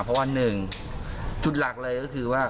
เพราะว่า๑จุดหลักเลยก็คือว่า